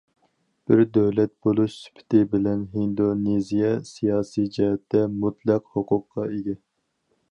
بىر دۆلەت بولۇش سۈپىتى بىلەن، ھىندونېزىيە سىياسىي جەھەتتە مۇتلەق ھوقۇققا ئىگە.